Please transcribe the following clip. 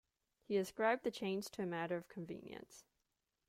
He ascribed the change to a matter of convenience.